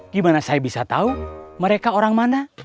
gimana saya bisa tahu mereka orang mana